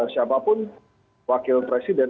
siapapun wakil presiden